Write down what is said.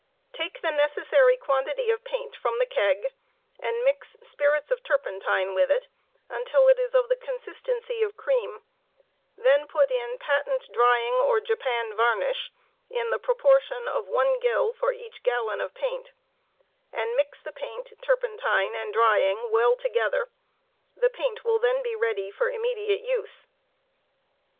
Take I lie necessary quantity of paint from the keg and mix spirits of turpen e with it until it is of the consistency of cream ; then put in patent drying or Japan ih in the proportion of one gill for each gallon of paint, and mix the paint, turpen tine, and drying well together — the paint will then lo ready for immediate use.